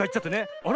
「あれ？